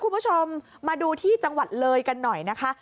คุณผู้ชมมาดูที่จังหวัดเลยกันหน่อยนะคะ